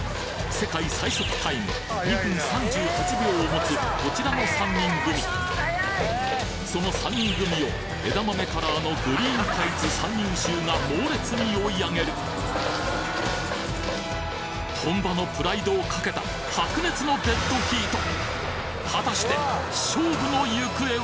世界最速タイム２分３８秒を持つこちらの３人組その３人組を枝豆カラーのグリーンタイツ３人衆が猛烈に追い上げる本場のプライドを賭けた白熱のデッドヒート！